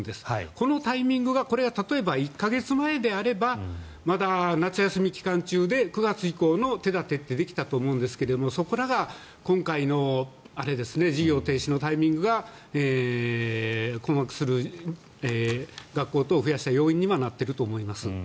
このタイミングがこれ、例えば１か月前であればまだ夏休み期間中で９月以降の手立てができたと思うんですが、そこらが今回の事業停止のタイミングが困惑する学校等を増やした要因になっていると思います。